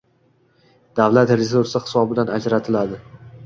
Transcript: Davlat resursi hisobidan ajratiladi.